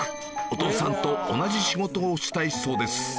お父さんと同じ仕事をしたいそうです